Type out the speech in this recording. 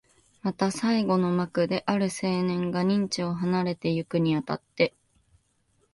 また最後の幕で、ある青年が任地を離れてゆくに当たって、